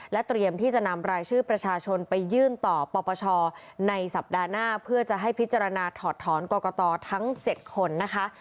เตรียมที่จะนำรายชื่อประชาชนไปยื่นต่อปปชในสัปดาห์หน้าเพื่อจะให้พิจารณาถอดถอนกรกตทั้ง๗คนนะคะ